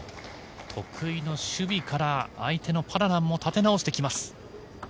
得意の守備から相手のパラナンも立て直してきます。